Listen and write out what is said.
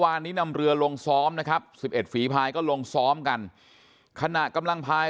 วันนี้นำเรือลงซ้อมนะครับ๑๑ฝีพายก็ลงซ้อมกันขณะกำลังพาย